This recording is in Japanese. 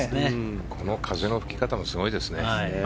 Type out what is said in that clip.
この風の吹き方もすごいですね。